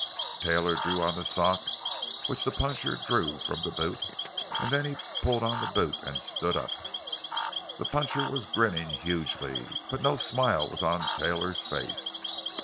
Taylor drew on the sock which the puncher drew from the boot; then he pulled on the boot and stood up. The puncher was grinning hugely, but no smile was on Taylor's face.